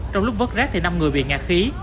trong lúc vớt rác thì năm người bị ngạc khí